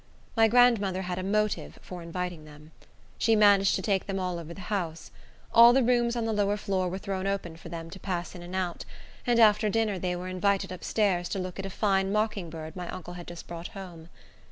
My grandmother had a motive for inviting them. She managed to take them all over the house. All the rooms on the lower floor were thrown open for them to pass in and out; and after dinner, they were invited up stairs to look at a fine mocking bird my uncle had just brought home.